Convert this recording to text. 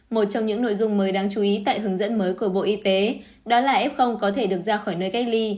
một trong những nội dung mới đáng chú ý tại hướng dẫn mới của bộ y tế đó là f có thể được ra khỏi nơi cách ly